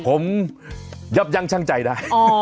ผมยับยั่งชั่งใจได้